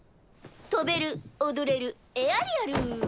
飛べる踊れるエアリアル。